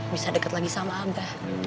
bisa dekat lagi sama abah